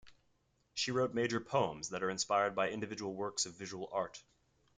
She wrote major poems that are inspired by individual works of visual art.